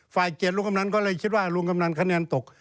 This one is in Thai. เกียรติลุงกำนันก็เลยคิดว่าลุงกำนันคะแนนตก